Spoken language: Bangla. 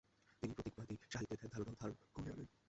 তিনি প্রতীকবাদী সাহিত্যের ধ্যানধারণাও ধার করে আনেন।